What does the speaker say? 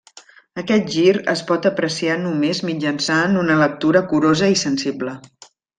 Aquest gir es pot apreciar només mitjançant una lectura curosa i sensible.